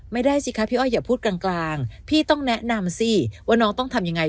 ไม่ได้สิคะพี่อ้อยอย่าพูดกลางพี่ต้องแนะนำสิว่าน้องต้องทำยังไง